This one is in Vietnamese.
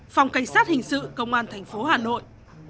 phòng cảnh sát hình sự công an thành phố hà nội